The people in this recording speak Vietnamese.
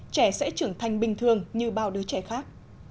trẻ sẽ trưởng thành bình thường như bao đứa trẻ khác